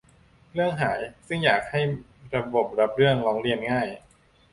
เรื่องหาย ซึ่งอยากให้ระบบรับเรื่องร้องเรียนง่าย